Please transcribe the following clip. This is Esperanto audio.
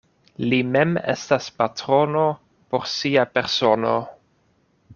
Li mem estas patrono por sia persono.